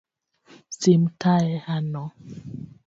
Sim tayano.